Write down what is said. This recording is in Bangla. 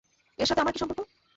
এর সাথে আমার কী সম্পর্ক?